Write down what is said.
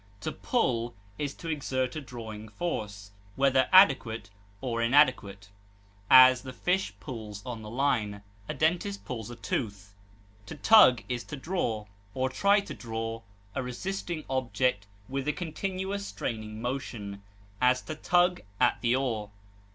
To pull is to exert a drawing force, whether adequate or inadequate; as, the fish pulls on the line; a dentist pulls a tooth. To tug is to draw, or try to draw, a resisting object with a continuous straining motion; as, to tug at the oar.